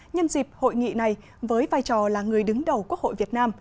nhân dịp hội nghị này với vai trò là người đứng đầu quốc hội việt nam